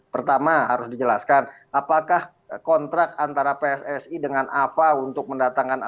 pertama harus dijelaskan apakah kontrak antara pssi dengan ava untuk mendatangkan